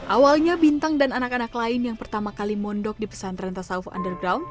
awalnya bintang dan anak anak lain yang pertama kali mondok di pesantren tasawuf underground